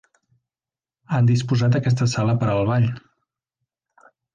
Han disposat aquesta sala per al ball.